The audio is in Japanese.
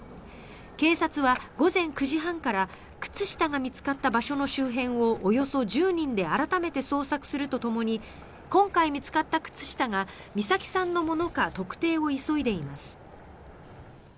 警察は、午前９時半から靴下が見つかった場所の周辺をおよそ１０人で改めて捜索するとともに今回見つかった靴下が美咲さんのものか特定を急いでいます。